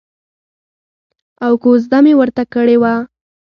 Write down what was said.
او کوزده مې ورته کړې وه.